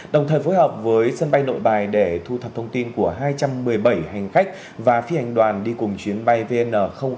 đồng thời phối hợp với sân bay nội bài để thu thập thông tin của hai trăm một mươi bảy hành khách và phi hành đoàn đi cùng chuyến bay vn năm mươi